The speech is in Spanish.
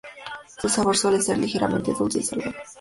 Su sabor suele ser ligeramente dulce y salado.